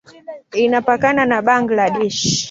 Inapakana na Bangladesh.